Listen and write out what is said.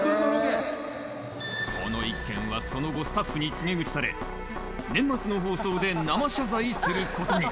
この一件はその後、スタッフに告げ口され、年末の放送で生謝罪することに。